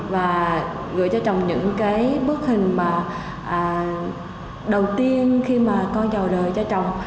và gửi cho chồng những cái bức hình mà đầu tiên khi mà con giàu đời cho chồng